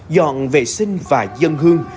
dọn vệ sinh và dân hương